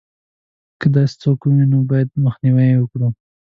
که داسې څوک ووینو باید مخنیوی یې وکړو.